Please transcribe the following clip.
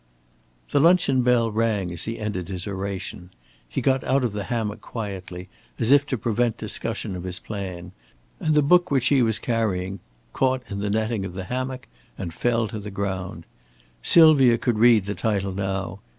The luncheon bell rang as he ended his oration. He got out of the hammock quickly, as if to prevent discussion of his plan; and the book which he was carrying caught in the netting of the hammock and fell to the ground. Sylvia could read the title now.